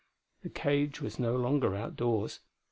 The cage was no longer outdoors.